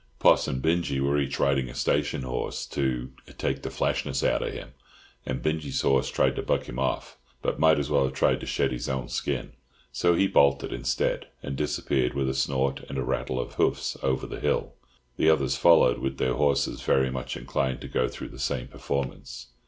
Poss and Binjie were each riding a station horse to "take the flashness out of him," and Binjie's horse tried to buck him off, but might as well have tried to shed his own skin; so he bolted instead, and disappeared with a snort and a rattle of hoofs over the hill. The others followed, with their horses very much inclined to go through the same performance.